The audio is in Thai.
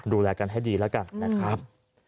ดูแลกันให้ดีแล้วกันนะครับ